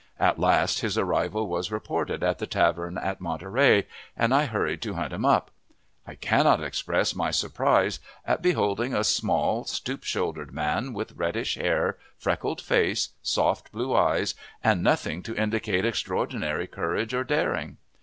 At last his arrival was reported at the tavern at Monterey, and I hurried to hunt him up. I cannot express my surprise at beholding a small, stoop shouldered man, with reddish hair, freckled face, soft blue eyes, and nothing to indicate extraordinary courage or daring.